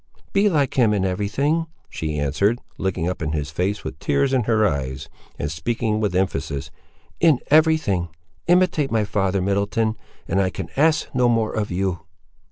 "Be like him in everything," she answered, looking up in his face, with tears in her eyes, and speaking with emphasis; "in every thing. Imitate my father, Middleton, and I can ask no more of you."